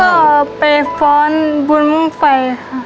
ก็ไปฝนบุญฝ่ายค่ะ